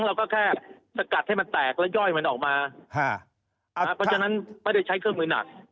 เราก็แค่สกัดให้มันแตกแล้วย่อยมันออกมาเพราะฉะนั้นไม่ได้ใช้เครื่องมือหนัก